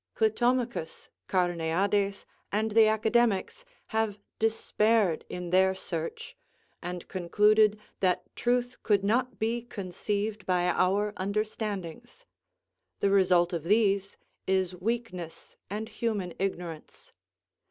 Clitomachus, Carneades, and the Academics, have despaired in their search, and concluded that truth could not be conceived by our understandings. The result of these is weakness and human ignorance.